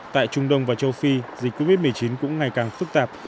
tại trung đông và châu phi dịch covid một mươi chín cũng ngày càng phức tạp